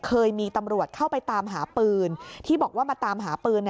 เคยมีตำรวจเข้าไปตามหาปืนที่บอกว่ามาตามหาปืน